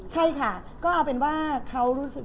ใช่ค่ะก็เอาเป็นว่าเขารู้สึก